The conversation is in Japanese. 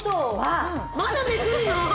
まだめくるの！？